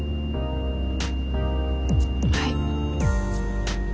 はい。